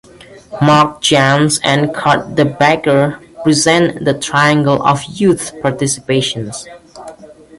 Marc Jans and Kurt De Backer present the Triangle of Youth Participation.